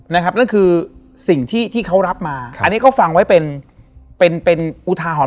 นั่นคือสิ่งที่ที่เขารับมาอันนี้ก็ฟังไว้เป็นเป็นอุทาหรณ์